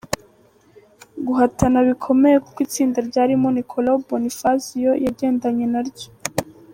guhatana bikomeye kuko itsinda ryarimo Niccolo Bonifazio yagendanye naryo